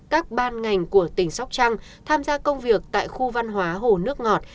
các ban ngành của tỉnh sóc trăng tham gia công việc tại khu văn hóa hồ nước ngọt